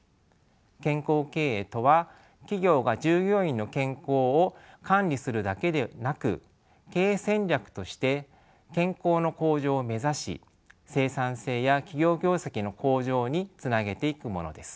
健康経営とは企業が従業員の健康を管理するだけでなく経営戦略として健康の向上を目指し生産性や企業業績の向上につなげていくものです。